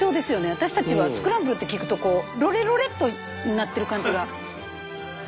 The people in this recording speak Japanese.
私たちはスクランブルって聞くとロレロレっとなってる感じが。